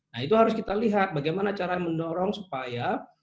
nah itu harus kita lihat bagaimana cara mendorong supaya